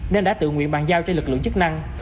nên đã tự nguyện bàn giao cho lực lượng chức năng